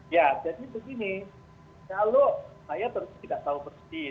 ya jadi begini kalau saya terus tidak tahu pasti